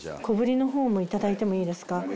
小ぶりの方もいただいてもいいですか？